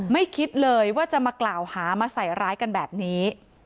คิดเลยว่าจะมากล่าวหามาใส่ร้ายกันแบบนี้